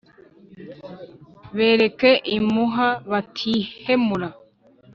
Bareke impuha batihemura.